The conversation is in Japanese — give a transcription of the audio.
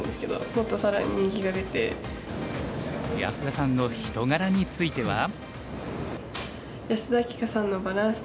安田さんの人柄については？